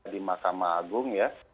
di makam agung